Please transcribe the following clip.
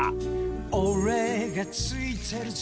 「おれがついてるぜ」